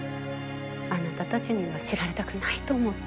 あなたたちには知られたくないと思って。